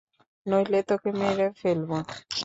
নইলে, তোকে মেরে ফেলব।